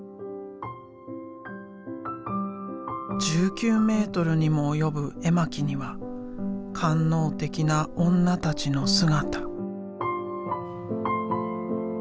１９メートルにも及ぶ絵巻には官能的な女たちの姿。